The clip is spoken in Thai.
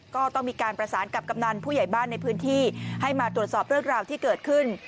ก็ต้องมีการประสานกับกำนันผู้ใหญ่บ้านในพื้นที่ให้มาตรวจสอบเรื่องราวที่เกิดขึ้น